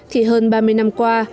thì hơn ba mươi năm qua